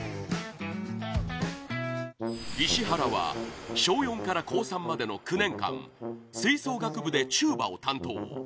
石原は小４から高３までの９年間吹奏楽部でチューバを担当